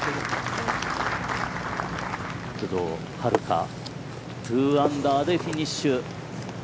工藤遥加、２アンダーでフィニッシュ。